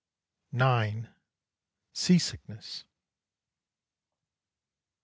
IX. SEA SICKNESS.